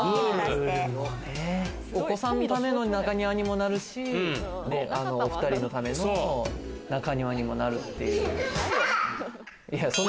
お子さんのための中庭にもなるし、お２人のための中庭にもなる。